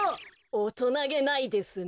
おとなげないですね。